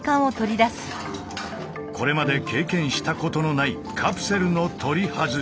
これまで経験したことのないカプセルの取り外し。